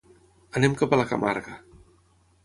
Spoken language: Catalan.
Anem cap a la Camarga.